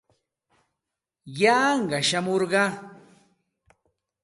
Yanqa shamurqaa.